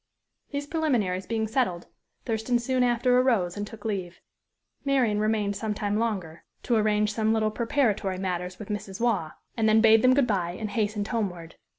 These preliminaries being settled, Thurston soon after arose and took leave. Marian remained some time longer to arrange some little preparatory matters with Mrs. Waugh, and then bade them good by, and hastened homeward.